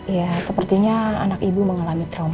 ya sepertinya anak ibu mengalami trauma